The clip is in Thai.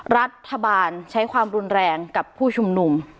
รัฐบาลใช้ความรุนแรงกับผู้ชุมนุม